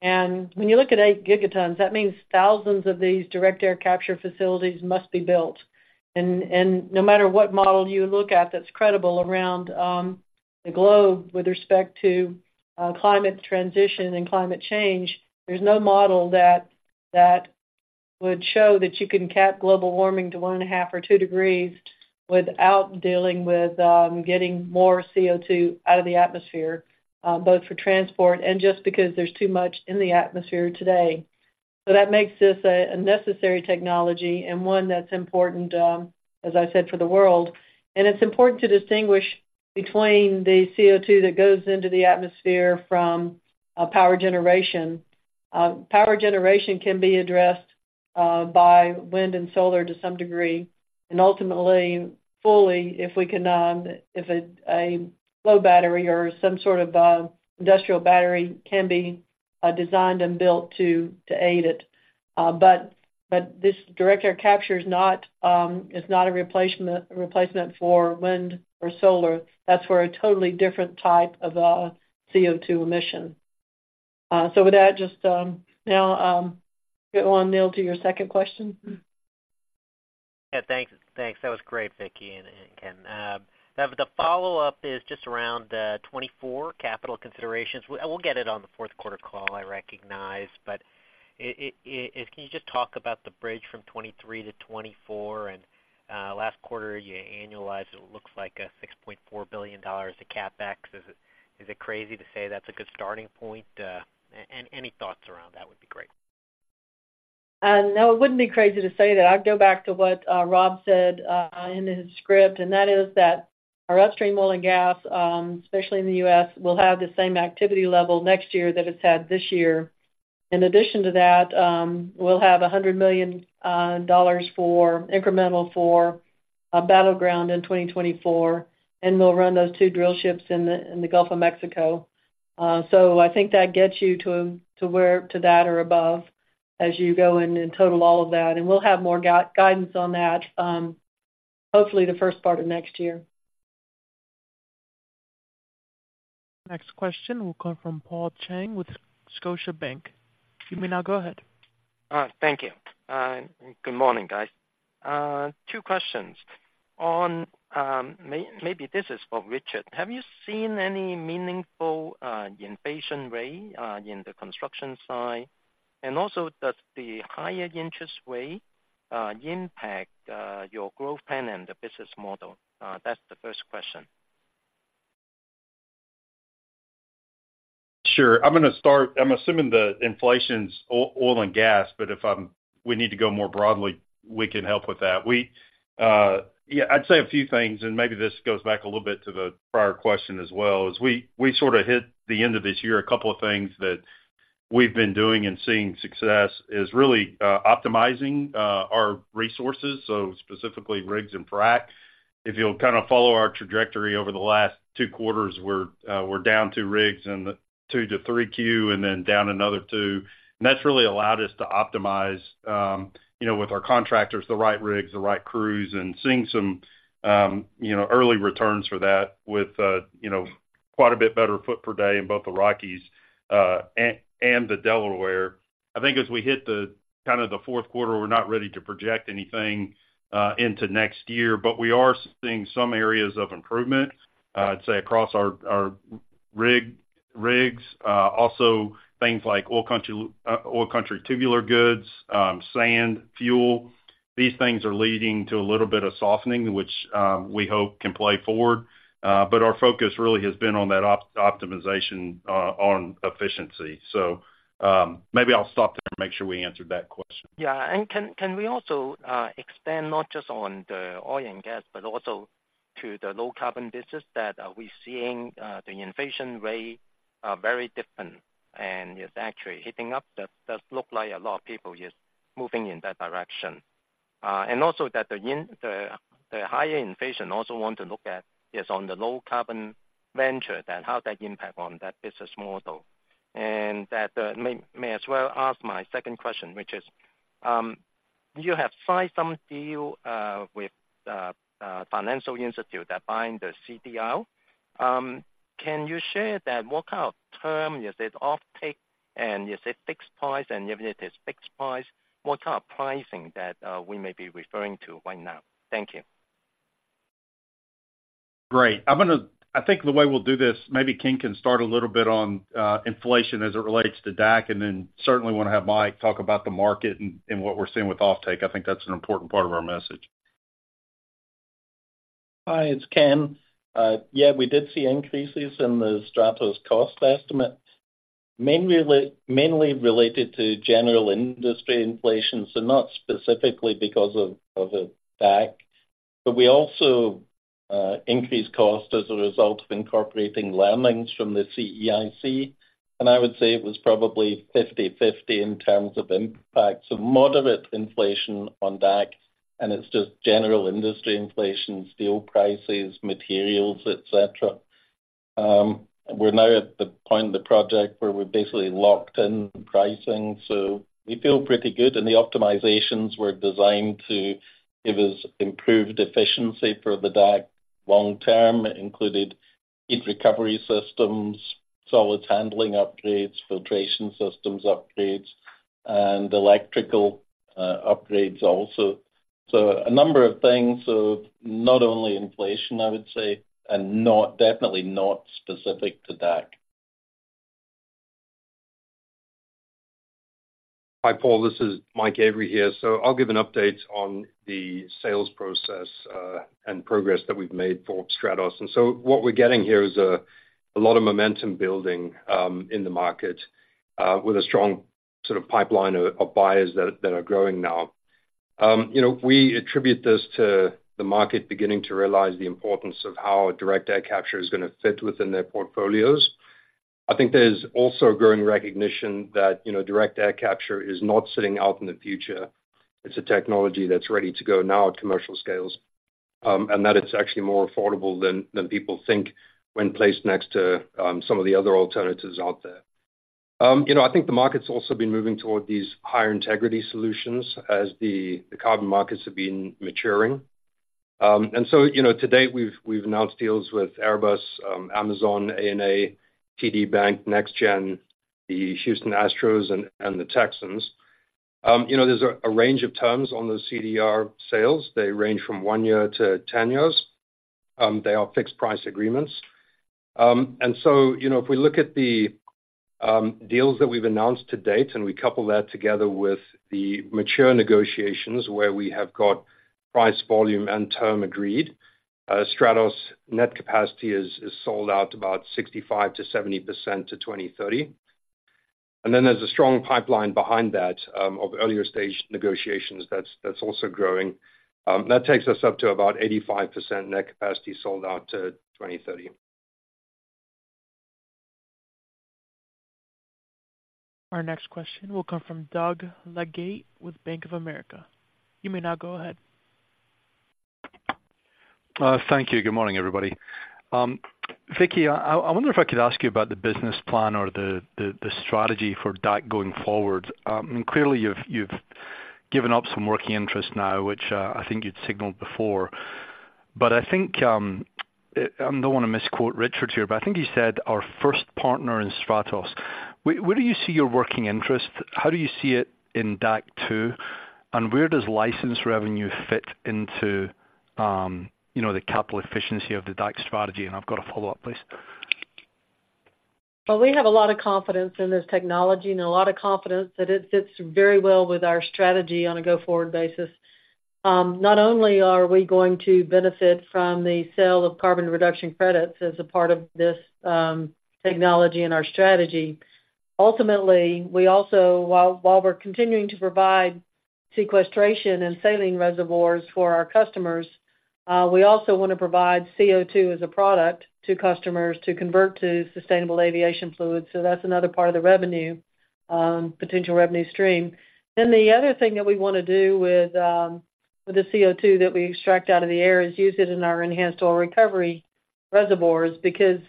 [SPEAKER 3] When you look at 8 gigatons, that means thousands of these direct air capture facilities must be built. No matter what model you look at, that's credible around the globe with respect to climate transition and climate change, there's no model that would show that you can cap global warming to 1.5 or 2 degrees without dealing with getting more CO2 out of the atmosphere, both for transport and just because there's too much in the atmosphere today. So that makes this a necessary technology and one that's important, as I said, for the world. And it's important to distinguish between the CO2 that goes into the atmosphere from power generation. Power generation can be addressed by wind and solar to some degree, and ultimately, fully, if we can, if a flow battery or some sort of industrial battery can be designed and built to aid it. But this direct air capture is not a replacement for wind or solar. That's for a totally different type of CO2 emission. So with that, just now, go on, Neil, to your second question.
[SPEAKER 7] Yeah, thanks. Thanks. That was great, Vicki and Ken. The follow-up is just around 2024 capital considerations. We'll get it on the Q4 call, I recognize, but can you just talk about the bridge from 2023 to 2024? And last quarter, you annualized, it looks like a $6.4 billion to CapEx. Is it crazy to say that's a good starting point? Any thoughts around that would be great.
[SPEAKER 3] No, it wouldn't be crazy to say that. I'd go back to what Rob said in his script, and that is that our upstream oil and gas, especially in the U.S., will have the same activity level next year that it's had this year. In addition to that, we'll have $100 million incremental for Battleground in 2024, and we'll run those two drill ships in the Gulf of Mexico. So I think that gets you to where, to that or above as you go in and total all of that, and we'll have more guidance on that, hopefully the first part of next year.
[SPEAKER 1] Next question will come from Paul Cheng with Scotiabank. You may now go ahead.
[SPEAKER 9] Thank you. Good morning, guys. Two questions. On, maybe this is for Richard. Have you seen any meaningful inflation rate in the construction side? And also, does the higher interest rate impact your growth plan and the business model? That's the first question.
[SPEAKER 4] Sure. I'm gonna start. I'm assuming the inflation's on oil and gas, but if I'm, we need to go more broadly, we can help with that. We, yeah, I'd say a few things, and maybe this goes back a little bit to the prior question as well. As we, we sorta hit the end of this year, a couple of things that we've been doing and seeing success is really optimizing our resources, so specifically rigs and fracs. If you'll kinda follow our trajectory over the last two quarters, we're, we're down two rigs in the Q2 to Q3, and then down another two. And that's really allowed us to optimize, you know, with our contractors, the right rigs, the right crews, and seeing some, you know, early returns for that with, you know, quite a bit better foot per day in both the Rockies, and the Delaware. I think as we hit the, kind of the Q4, we're not ready to project anything, into next year, but we are seeing some areas of improvement, I'd say, across our, our rigs, also things like oil country, oil country tubular goods, sand, fuel. These things are leading to a little bit of softening, which, we hope can play forward. But our focus really has been on that optimization, on efficiency. So, maybe I'll stop there and make sure we answered that question.
[SPEAKER 9] Yeah. And can we also expand not just on the oil and gas, but also to the low carbon business that are we seeing the inflation rate very different, and it's actually heating up? That does look like a lot of people is moving in that direction. And also that the higher inflation also want to look at is on the low carbon venture, then how that impact on that business model. And that may as well ask my second question, which is, you have signed some deal with a financial institution that buying the CDR. Can you share that, what kind of term is it offtake, and is it fixed price? And if it is fixed price, what kind of pricing that we may be referring to right now? Thank you.
[SPEAKER 4] Great. I'm gonna, I think the way we'll do this, maybe Ken can start a little bit on, inflation as it relates to DAC, and then certainly wanna have Mike talk about the market and, and what we're seeing with offtake. I think that's an important part of our message.
[SPEAKER 8] Hi, it's Ken. Yeah, we did see increases in the Stratos cost estimate, mainly related to general industry inflation, so not specifically because of a DAC. But we also increased cost as a result of incorporating learnings from the CEIC, and I would say it was probably 50/50 in terms of impact. So moderate inflation on DAC, and it's just general industry inflation, steel prices, materials, et cetera. We're now at the point of the project where we're basically locked in pricing, so we feel pretty good. And the optimizations were designed to give us improved efficiency for the DAC long term. It included heat recovery systems, solids handling upgrades, filtration systems upgrades, and electrical upgrades also. So a number of things. So not only inflation, I would say, and not definitely not specific to DAC.
[SPEAKER 10] Hi, Paul, this is Mike Avery here. So I'll give an update on the sales process and progress that we've made for Stratos. And so what we're getting here is a lot of momentum building in the market with a strong sort of pipeline of buyers that are growing now. You know, we attribute this to the market beginning to realize the importance of how direct air capture is gonna fit within their portfolios. I think there's also a growing recognition that, you know, direct air capture is not sitting out in the future. It's a technology that's ready to go now at commercial scales and that it's actually more affordable than people think when placed next to some of the other alternatives out there. You know, I think the market's also been moving toward these higher integrity solutions as the carbon markets have been maturing. And so, you know, to date, we've announced deals with Airbus, Amazon, ANA, TD Bank, NextGen, the Houston Astros, and the Texans. You know, there's a range of terms on the CDR sales. They range from one year to 10 years. They are fixed price agreements. And so, you know, if we look at the deals that we've announced to date, and we couple that together with the mature negotiations where we have got price, volume, and term agreed, Stratos' net capacity is sold out about 65%-70% to 2030. And then there's a strong pipeline behind that of earlier stage negotiations that's also growing. That takes us up to about 85% net capacity sold out to 2030.
[SPEAKER 1] Our next question will come from Doug Leggate with Bank of America. You may now go ahead.
[SPEAKER 11] Thank you. Good morning, everybody. Vicki, I wonder if I could ask you about the business plan or the strategy for DAC going forward. Clearly, you've given up some working interest now, which I think you'd signaled before. But I think I don't wanna misquote Richard here, but I think he said our first partner in Stratos. Where do you see your working interest? How do you see it in DAC Two, and where does license revenue fit into, you know, the capital efficiency of the DAC strategy? And I've got a follow-up, please.
[SPEAKER 3] Well, we have a lot of confidence in this technology and a lot of confidence that it fits very well with our strategy on a go-forward basis. Not only are we going to benefit from the sale of carbon reduction credits as a part of this technology and our strategy, ultimately, we also, while we're continuing to provide sequestration and saline reservoirs for our customers, we also wanna provide CO2 as a product to customers to convert to sustainable aviation fluid. So that's another part of the revenue, potential revenue stream. Then the other thing that we wanna do with the CO2 that we extract out of the air is use it in our enhanced oil recovery reservoirs, because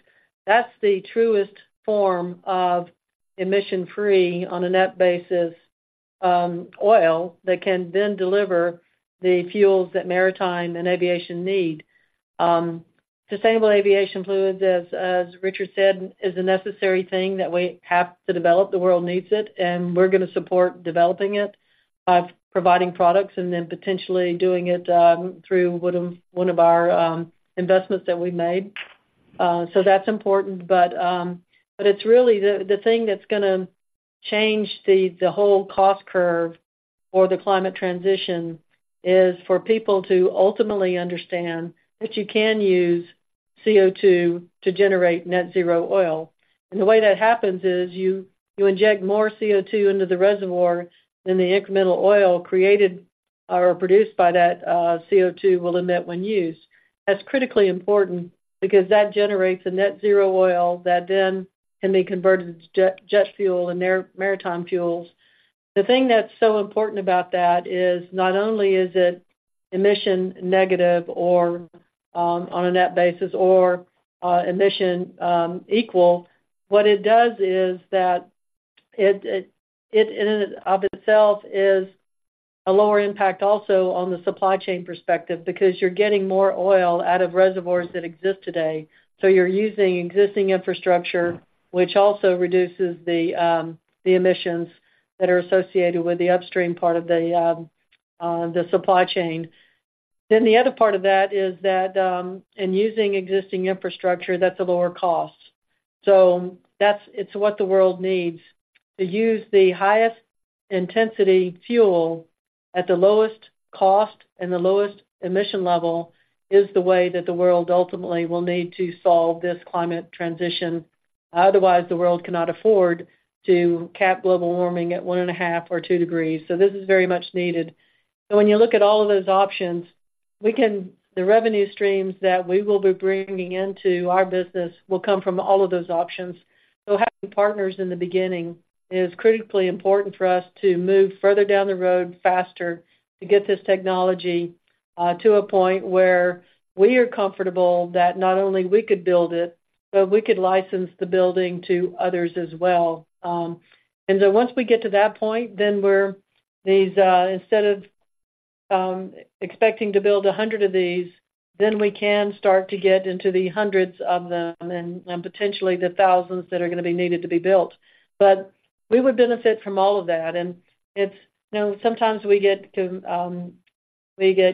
[SPEAKER 3] that's the truest form of emission-free on a net basis, oil, that can then deliver the fuels that maritime and aviation need. Sustainable aviation fluids, as Richard said, is a necessary thing that we have to develop. The world needs it, and we're gonna support developing it by providing products and then potentially doing it through one of our investments that we've made. So that's important. But it's really the thing that's gonna change the whole cost curve for the climate transition is for people to ultimately understand that you can use CO₂ to generate net zero oil. And the way that happens is you inject more CO₂ into the reservoir than the incremental oil created or produced by that CO₂ will emit when used. That's critically important because that generates a net zero oil that then can be converted into jet fuel and maritime fuels. The thing that's so important about that is not only is it emission negative or, on a net basis or, emission equal. What it does is that it in and of itself is a lower impact also on the supply chain perspective, because you're getting more oil out of reservoirs that exist today. So you're using existing infrastructure, which also reduces the emissions that are associated with the upstream part of the supply chain. Then the other part of that is that, in using existing infrastructure, that's a lower cost. So that's, it's what the world needs. To use the highest intensity fuel at the lowest cost and the lowest emission level is the way that the world ultimately will need to solve this climate transition. Otherwise, the world cannot afford to cap global warming at 1.5 or 2 degrees, so this is very much needed. So when you look at all of those options, the revenue streams that we will be bringing into our business will come from all of those options. So having partners in the beginning is critically important for us to move further down the road faster to get this technology to a point where we are comfortable that not only we could build it, but we could license the building to others as well. And so once we get to that point, instead of expecting to build 100 of these, then we can start to get into the hundreds of them and, and potentially the thousands that are gonna be needed to be built. But we would benefit from all of that, and it's, you know, sometimes we get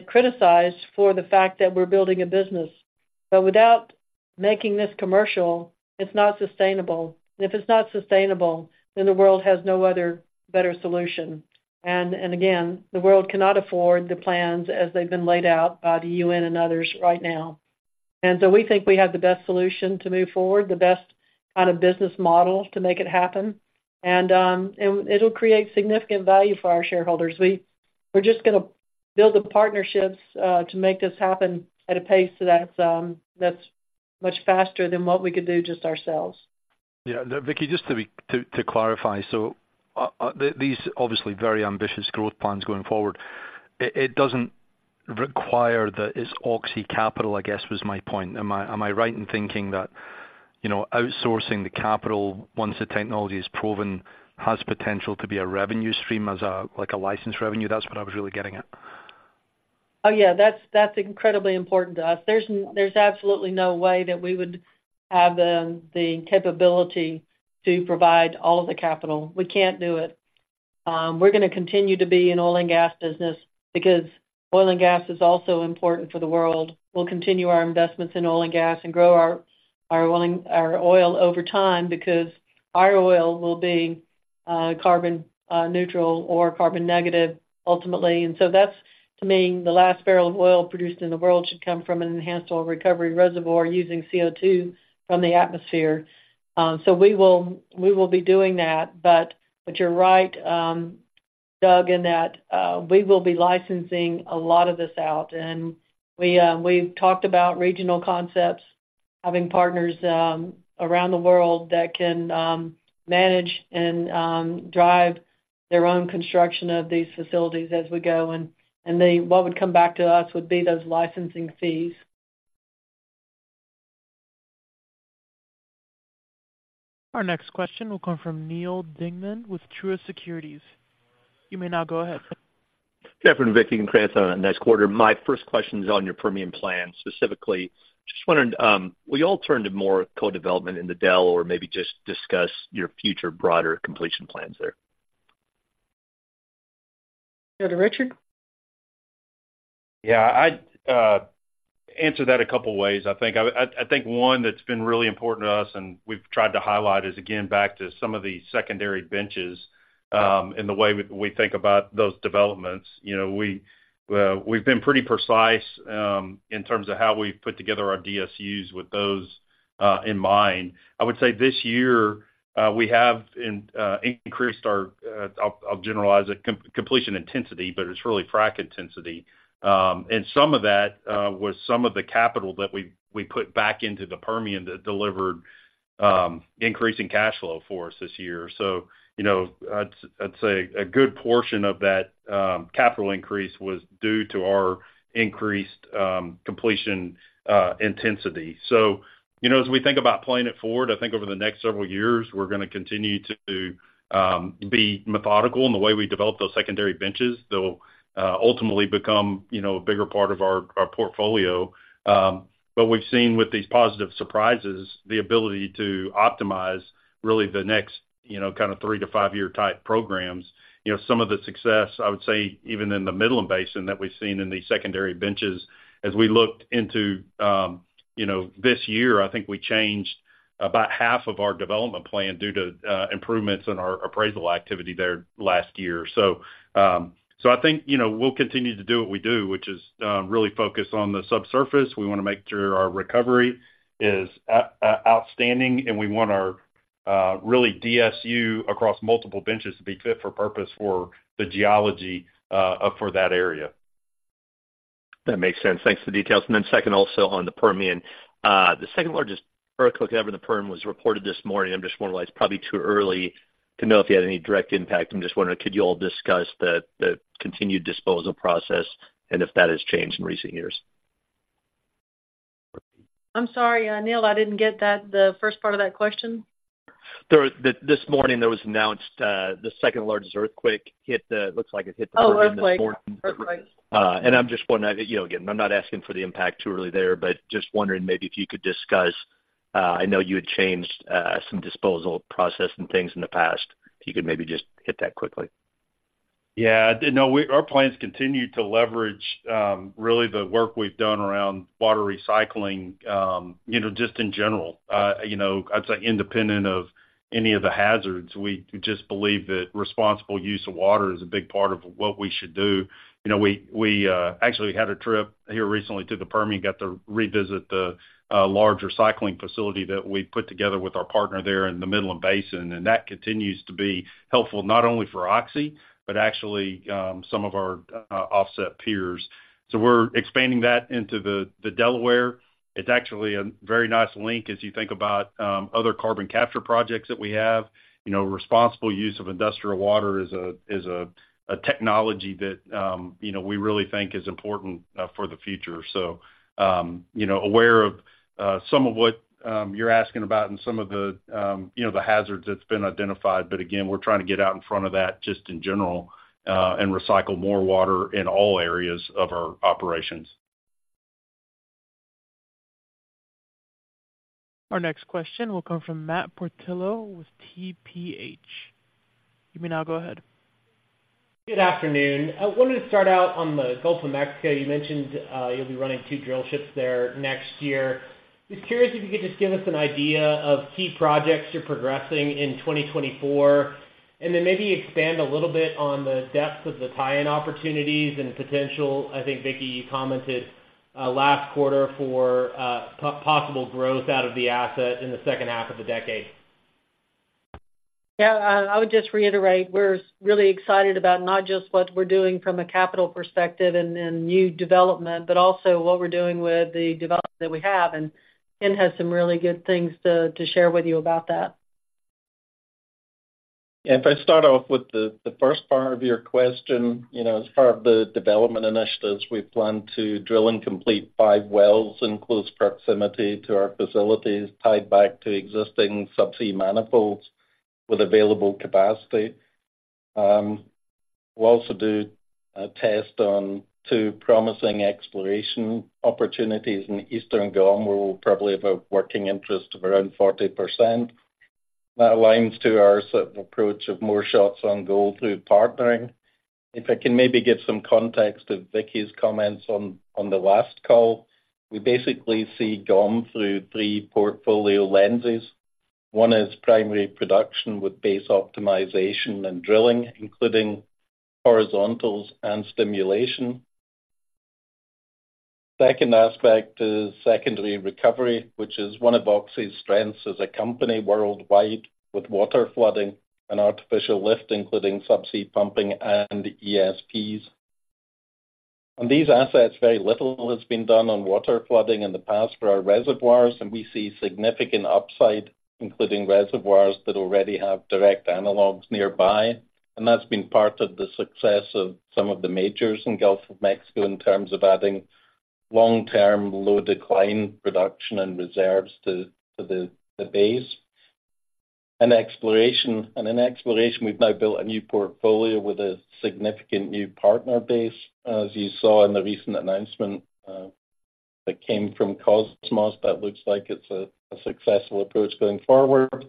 [SPEAKER 3] criticized for the fact that we're building a business. But without making this commercial, it's not sustainable. And if it's not sustainable, then the world has no other better solution. And again, the world cannot afford the plans as they've been laid out by the UN and others right now. And so we think we have the best solution to move forward, the best kind of business model to make it happen. And it'll create significant value for our shareholders. We're just gonna build the partnerships to make this happen at a pace that's much faster than what we could do just ourselves.
[SPEAKER 11] Yeah. Vicki, just to clarify. So, these obviously very ambitious growth plans going forward, it doesn't require that it's Oxy capital, I guess, was my point. Am I right in thinking that, you know, outsourcing the capital once the technology is proven, has potential to be a revenue stream as a, like, a license revenue? That's what I was really getting at.
[SPEAKER 3] Oh, yeah, that's incredibly important to us. There's absolutely no way that we would have the capability to provide all of the capital. We can't do it. We're gonna continue to be an oil and gas business because oil and gas is also important for the world. We'll continue our investments in oil and gas and grow our oil over time because our oil will be carbon neutral or carbon negative ultimately. And so that's, to me, the last barrel of oil produced in the world should come from an enhanced oil recovery reservoir using CO₂ from the atmosphere. So we will be doing that. But you're right, Doug, in that we will be licensing a lot of this out, and we, we've talked about regional concepts, having partners around the world that can manage and drive their own construction of these facilities as we go. And they—what would come back to us would be those licensing fees.
[SPEAKER 1] Our next question will come from Neal Dingman with Truist Securities. You may now go ahead.
[SPEAKER 12] Jeff and Vicki and congrats on a nice quarter. My first question is on your Permian plan. Specifically, just wondering, will you all turn to more co-development in the Del, or maybe just discuss your future broader completion plans there?
[SPEAKER 3] Go to Richard.
[SPEAKER 4] Yeah, I'd answer that a couple of ways. I think one that's been really important to us, and we've tried to highlight, is, again, back to some of the secondary benches, and the way we think about those developments. You know, we've been pretty precise, in terms of how we've put together our DSUs with those in mind. I would say this year, we have increased our, I'll generalize it, completion intensity, but it's really frac intensity. And some of that was some of the capital that we put back into the Permian that delivered increasing cash flow for us this year. So, you know, I'd say a good portion of that capital increase was due to our increased completion intensity. So, you know, as we think about playing it forward, I think over the next several years, we're gonna continue to be methodical in the way we develop those secondary benches. They'll ultimately become, you know, a bigger part of our, our portfolio. But we've seen with these positive surprises, the ability to optimize really the next, you know, kind of three to five-year type programs. You know, some of the success, I would say, even in the Midland Basin that we've seen in these secondary benches, as we looked into you know, this year, I think we changed about half of our development plan due to improvements in our appraisal activity there last year. So, so I think, you know, we'll continue to do what we do, which is really focus on the subsurface. We wanna make sure our recovery is outstanding, and we want our really DSU across multiple benches to be fit for purpose for the geology for that area.
[SPEAKER 12] That makes sense. Thanks for the details. Then second, also on the Permian. The second largest earthquake ever in the Permian was reported this morning. I'm just wondering, it's probably too early to know if you had any direct impact. I'm just wondering, could you all discuss the continued disposal process, and if that has changed in recent years?
[SPEAKER 3] I'm sorry, Neal, I didn't get that, the first part of that question.
[SPEAKER 12] This morning, there was announced the second-largest earthquake hit the, looks like it hit the-
[SPEAKER 3] Oh, earthquake. Earthquake.
[SPEAKER 12] I'm just wondering, you know, again, I'm not asking for the impact too early there, but just wondering maybe if you could discuss. I know you had changed some disposal process and things in the past. If you could maybe just hit that quickly.
[SPEAKER 4] Yeah. No, our plans continue to leverage really the work we've done around water recycling, you know, just in general. You know, I'd say independent of any of the hazards, we just believe that responsible use of water is a big part of what we should do. You know, we actually had a trip here recently to the Permian, got to revisit the large recycling facility that we put together with our partner there in the Midland Basin, and that continues to be helpful, not only for Oxy, but actually some of our offset peers. So we're expanding that into the Delaware. It's actually a very nice link as you think about other carbon capture projects that we have. You know, responsible use of industrial water is a technology that, you know, we really think is important for the future. So, you know, aware of some of what you're asking about and some of the, you know, the hazards that's been identified. But again, we're trying to get out in front of that, just in general, and recycle more water in all areas of our operations.
[SPEAKER 1] Our next question will come from Matt Portillo with TPH. You may now go ahead.
[SPEAKER 13] Good afternoon. I wanted to start out on the Gulf of Mexico. You mentioned, you'll be running two drill ships there next year. Just curious if you could just give us an idea of key projects you're progressing in 2024, and then maybe expand a little bit on the depth of the tie-in opportunities and potential. I think, Vicki, you commented, last quarter for, possible growth out of the asset in the second half of the decade.
[SPEAKER 3] Yeah, I would just reiterate, we're really excited about not just what we're doing from a capital perspective and, and new development, but also what we're doing with the development that we have, and Ken has some really good things to, to share with you about that.
[SPEAKER 8] Yeah, if I start off with the first part of your question, you know, as part of the development initiatives, we plan to drill and complete five wells in close proximity to our facilities, tied back to existing subsea manifolds with available capacity. We'll also do a test on two promising exploration opportunities in Eastern GOM, where we'll probably have a working interest of around 40%. That aligns to our sort of approach of more shots on goal through partnering. If I can maybe give some context to Vicki's comments on the last call, we basically see GOM through three portfolio lenses. One is primary production with base optimization and drilling, including horizontals and stimulation. Second aspect is secondary recovery, which is one of Oxy's strengths as a company worldwide, with water flooding and artificial lift, including subsea pumping and ESPs. On these assets, very little has been done on water flooding in the past for our reservoirs, and we see significant upside, including reservoirs that already have direct analogs nearby, and that's been part of the success of some of the majors in Gulf of Mexico in terms of adding long-term, low-decline production and reserves to the base. In exploration, we've now built a new portfolio with a significant new partner base. As you saw in the recent announcement that came from Kosmos, that looks like it's a successful approach going forward,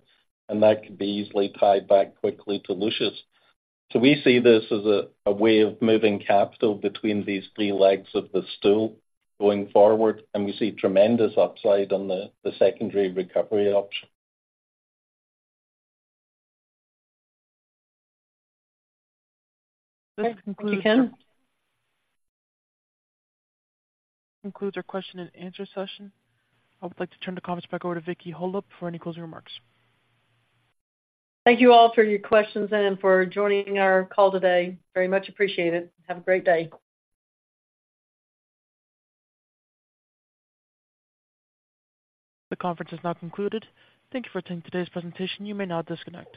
[SPEAKER 8] and that could be easily tied back quickly to Lucius. So we see this as a way of moving capital between these three legs of the stool going forward, and we see tremendous upside on the secondary recovery option.
[SPEAKER 3] Thanks, Ken.
[SPEAKER 1] This concludes our question and answer session. I would like to turn the conference back over to Vicki Hollub for any closing remarks.
[SPEAKER 3] Thank you all for your questions and for joining our call today. Very much appreciated. Have a great day.
[SPEAKER 1] The conference is now concluded. Thank you for attending today's presentation. You may now disconnect.